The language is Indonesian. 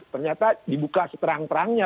ternyata dibuka seterang terangnya